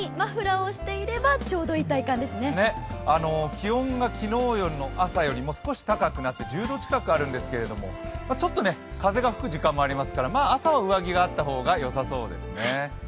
気温が昨日の朝よりも少し高くなって１０度近くあるんですけれどもちょっと風の吹く時間もあるので朝は上着があった方が良さそうですね。